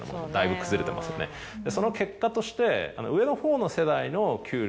その結果として。